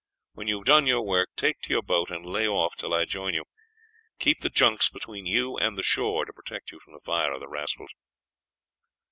When you have done your work take to your boat and lay off till I join you; keep the junks between you and the shore, to protect you from the fire of the rascals."